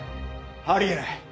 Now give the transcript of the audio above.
あり得ない！